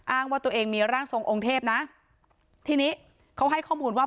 ว่าตัวเองมีร่างทรงองค์เทพนะทีนี้เขาให้ข้อมูลว่า